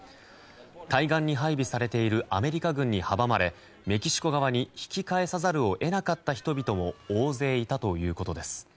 対岸に配備されているアメリカ軍に阻まれメキシコ側に引き返さざるを得なかった人々も大勢いたということです。